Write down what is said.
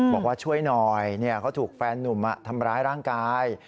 บอกว่าช่วยหน่อยเขาถูกแฟนนุ่มทำร้ายร่างกาย